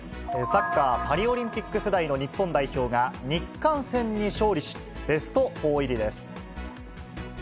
サッカーパリオリンピック世代の日本代表が日韓戦に勝利し、ベスト４入りです。